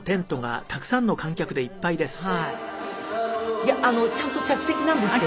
いやちゃんと着席なんですけど。